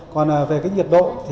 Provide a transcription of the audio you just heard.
còn về nhiệt độ